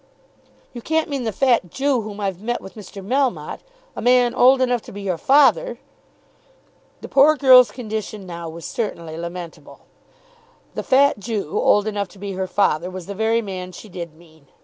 "You can't mean the fat Jew whom I've met with Mr. Melmotte; a man old enough to be your father!" The poor girl's condition now was certainly lamentable. The fat Jew, old enough to be her father, was the very man she did mean.